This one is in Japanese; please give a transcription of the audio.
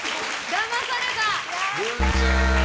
だまされた！